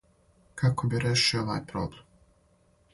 Како би решио овај проблем?